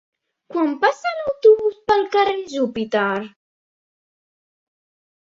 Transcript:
Quan passa l'autobús pel carrer Júpiter?